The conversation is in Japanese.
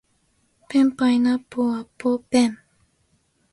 ペンパイナッポーアッポーペン